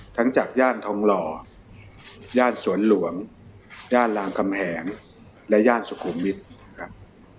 จากย่านทองหล่อย่านสวนหลวงย่านรามคำแหงและย่านสุขุมวิทย์ครับ